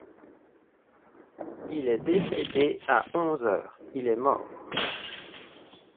Il est décédé à onze heures, il est mort.